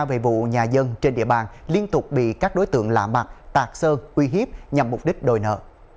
về vụ nhà dân trên địa bàn liên tục bị các đối tượng lạ mặt tạc sơn uy hiếp nhằm mục đích đòi nợ